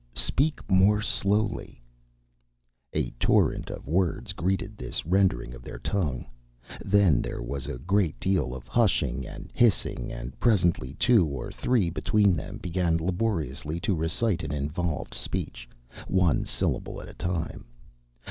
Speak more slowly " A torrent of words greeted this rendering of their tongue. Then there was a great deal of hushing and hissing, and presently two or three between them began laboriously to recite an involved speech, one syllable at a time.